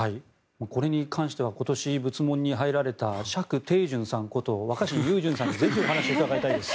これに関しては今年、仏門に入られた若新雄純さんにぜひお話を伺いたいです。